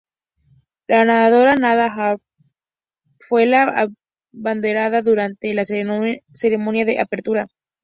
La nadadora Nada Al-Bedwawi fue la abanderada durante la ceremonia de apertura.